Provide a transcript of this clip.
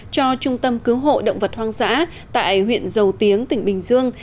cho trung tâm cứu hộ động vật hoang dã tại huyện dầu tiếng tỉnh bình dương